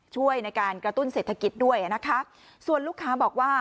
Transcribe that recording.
ช่วยในการกระตุ้นเศรษฐกิจด้วยนะคะส่วนลูกค้าบอกว่า